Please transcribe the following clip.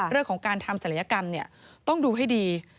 เรื่องของการทำศัลยกรรมต้องดูให้ดี